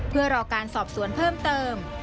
เพื่อรอการสอบสวนเพิ่มเติม